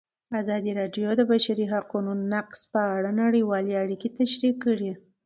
ازادي راډیو د د بشري حقونو نقض په اړه نړیوالې اړیکې تشریح کړي.